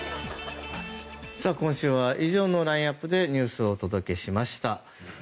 今週は以上のラインアップでニュースをお届けしました。